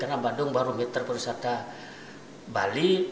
karena bandung baru meter perusahaan bali